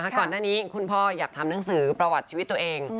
ก่อนหน้านี้คุณพ่ออยากทำหนังสือประวัติชีวิตตัวเอง